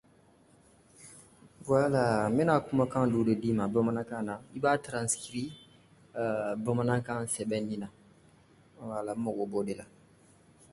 I ka dolow sɔrɔ ala fɛ min ye sankolo ni dugukolo da